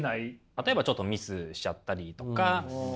例えばちょっとミスしちゃったりとか。